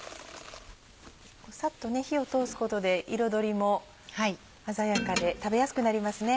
サッと火を通すことで彩りも鮮やかで食べやすくなりますね。